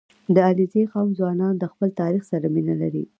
• د علیزي قوم ځوانان د خپل تاریخ سره مینه لري.